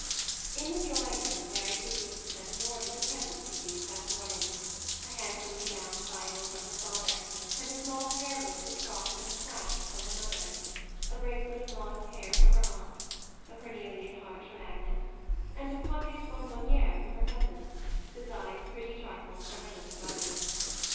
In the drawing room Mary pro ceeded to set in order the presents received that morning; a handsomely MAUDE 21 bound Bible from her father, and a small prayer book with cross and clasp from her mother; a bracelet of Maude's hair from her aunt ; a cor nelian heart from Agnes, and a pocket bonbonniere from her cousin, besides pretty trifles from her little brothers.